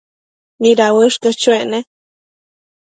¿mida uëshquio chuec ne?